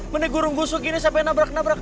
menik gusuk gini sampai nabrak nabrak